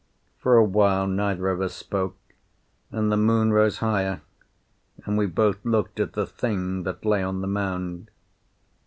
For a while neither of us spoke, and the moon rose higher, and we both looked at the Thing that lay on the mound.